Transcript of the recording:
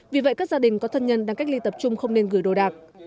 vì vậy các gia đình có thân nhân đang cách ly tập trung không nên gửi đồ đạc